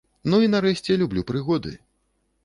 Ну і нарэшце люблю прыгоды.